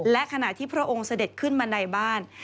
และขณะที่พระองค์เสด็จขึ้นมาในบ้าน